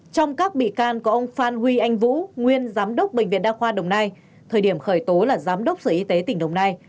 trong các bị can của ông phan huy anh vũ nguyên giám đốc bệnh viện đa khoa đồng nai thời điểm khởi tố là giám đốc sở y tế tỉnh đồng nai